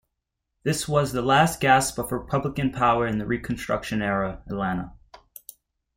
This was the last-gasp of Republican power in Reconstruction-era Atlanta.